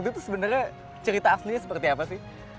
itu sebenarnya cerita aslinya seperti apa sih